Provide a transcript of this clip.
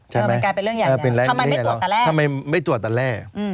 ใช่ไหมทำไมไม่ตรวจแต่แร่